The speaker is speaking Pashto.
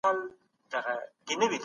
خپل هېواد ودان کړئ.